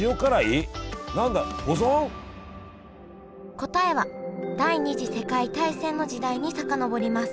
答えは第二次世界大戦の時代に遡ります。